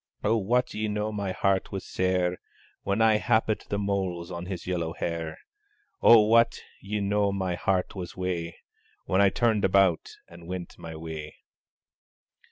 Oh, wat ye no my heart was sair, When I happit the mouls on his yellow hair; Oh, wat ye no my heart was wae, When I turned about and went my way!